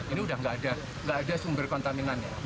ini sudah tidak ada sumber kontaminannya